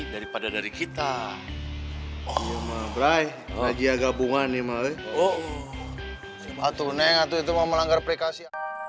daripada dari kita oh brai lagi agak bunga nih malu oh atuh neng atuh itu mau melanggar prekasi